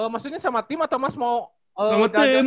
maksudnya sama tim atau mas mau latihan